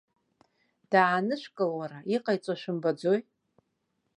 Даанышәкыл, уара, иҟаиҵо шәымбаӡои?